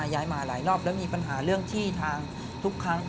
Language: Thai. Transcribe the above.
ย้ายมาหลายรอบแล้วมีปัญหาเรื่องที่ทางทุกครั้ง